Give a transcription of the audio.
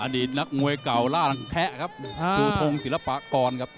อดีตนักมวยเก่าล่ารังแคะครับชูทงศิลปากรครับ